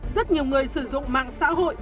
rất nhiều người sử dụng mạng xã hội